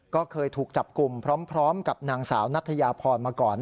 ก็เคยถูกจับกลุ่มพร้อมกับนางสาวนัทยาพรมาก่อน